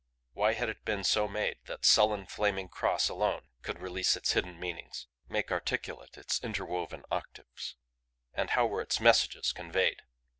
Why had it been so made that sullen flaming Cross alone could release its hidden meanings, made articulate its interwoven octaves? And how were its messages conveyed?